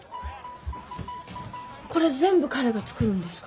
これ全部彼が作るんですか？